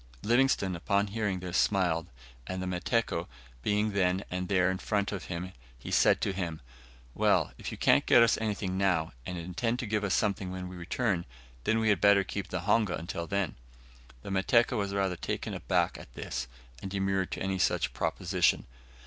Livingstone, upon hearing this, smiled, and the Mateko being then and there in front of him, he said to him. "Well, if you can't get us anything now, and intend to give something when we return, we had better keep the honga until then." The Mateko was rather taken aback at this, and demurred to any such proposition.